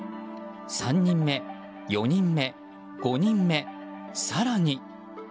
３人目、４人目、５人目、更に。